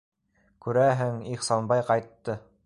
Күрәһең, Ихсанбай ҡайтты.